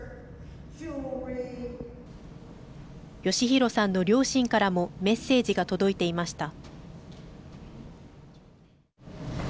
剛丈さんの両親からもメッセージが届いていました。